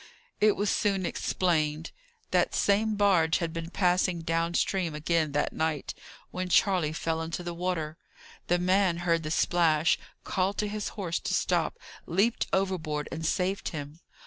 It was soon explained. That same barge had been passing down stream again that night, when Charley fell into the water. The man heard the splash, called to his horse to stop, leaped overboard, and saved him.